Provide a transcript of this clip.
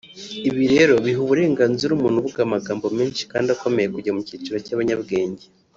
Ibi rero biha uburenganzira umuntu uvuga amagambo menshi kandi akomeye kujya mu cyiciro cy’abanyabwenge